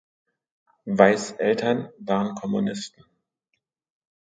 Weisz’ Eltern waren Kommunisten.